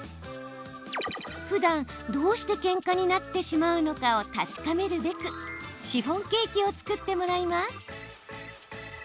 ふだん、どうしてけんかになってしまうのかを確かめるべく、シフォンケーキを作ってもらいます。